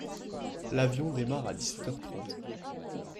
L’avion démarre à dix-sept heures trente.